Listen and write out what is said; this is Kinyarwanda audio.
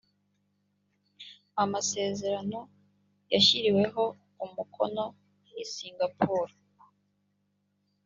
amasezerano yashyiriweho umukonoi singapour